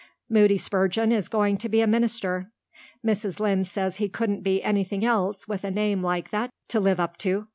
Moody Spurgeon is going to be a minister. Mrs. Lynde says he couldn't be anything else with a name like that to live up to.